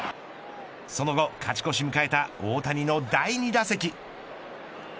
その後、勝ち越しを迎えた大谷の第２打席。